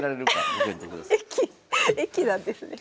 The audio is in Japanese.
駅なんですね。